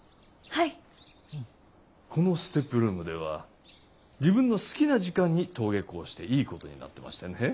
このＳＴＥＰルームでは自分の好きな時間に登下校していいことになってましてね。